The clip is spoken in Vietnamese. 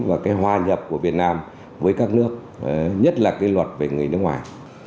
và cái hòa nhập của việt nam với các nước nhất là cái luật về người nước ngoài